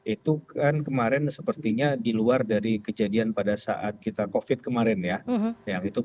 itu kan kemarin sepertinya di luar dari kejadian pada saat kita covid kemarin ya